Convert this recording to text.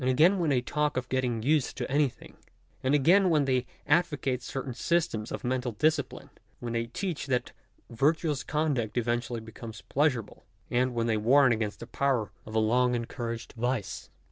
again when they talk of getting used to anything : and again when they advocate certain systems of mental discipline — when they teach that virtuous conduct eventually becomes pleasur able, and when they warn against the power of a long en couraged vice.